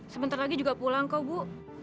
sebentar lagi juga pulang kok bu